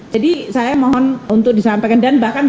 jadi saya mohon untuk disampaikan